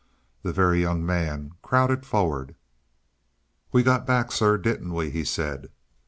The Very Young Man crowded forward. "We got back, sir, didn't we?" he said.